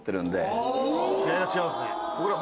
気合が違いますね。